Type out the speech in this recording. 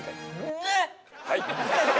はい！